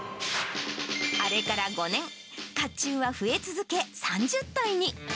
あれから５年、かっちゅうは増え続け、３０体に。